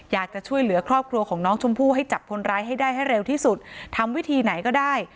อยากจะช่วยเหลือครอบครัวของน้องชมพู่ให้จับคนร้ายให้ได้ให้เร็วที่สุดทำวิธีไหนก็ได้